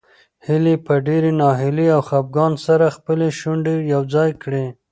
هیلې په ډېرې ناهیلۍ او خپګان سره خپلې شونډې یو ځای کړې.